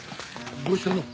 どうしたの？